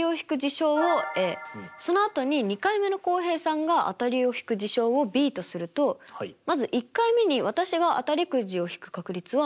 そのあとに２回目の浩平さんが当たりをひく事象をＢとするとまず１回目に私が当たりくじをひく確率はどうなりますか？